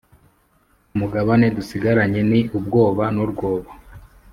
umugabane dusigaranye ni ubwoba n’urwobo,